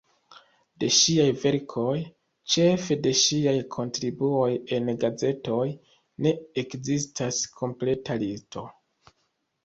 De ŝiaj verkoj, ĉefe de ŝiaj kontribuoj en gazetoj, ne ekzistas kompleta listo.